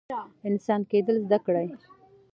انسان کیدل زده کړئ